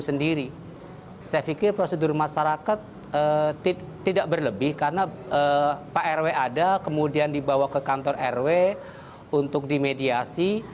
saya pikir prosedur masyarakat tidak berlebih karena pak rw ada kemudian dibawa ke kantor rw untuk dimediasi